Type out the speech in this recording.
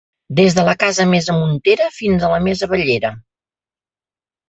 Des de la casa més amuntera fins a la més avallera.